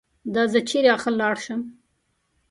دا زه چېرې اخر لاړ شم؟